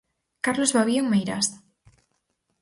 Carlos Babío en Meirás.